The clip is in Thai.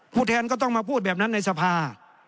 แทนก็ต้องมาพูดแบบนั้นในสภา